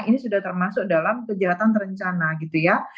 ini sudah termasuk dalam kejahatan terencana gitu ya